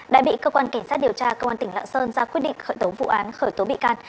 đã bị cơ quan kỳnh sát điều tra cơ quan tp lạng sơn ra quyết định khởi tố vụ án khởi tố bị can